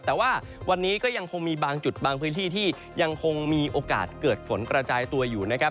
แต่ว่าวันนี้ก็ยังคงมีบางจุดบางพื้นที่ที่ยังคงมีโอกาสเกิดฝนกระจายตัวอยู่นะครับ